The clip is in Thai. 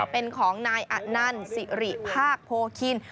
เป็นของนายอันนั่นสิริภาคโภคิน